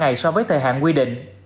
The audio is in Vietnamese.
năm ngày so với thời hạn quy định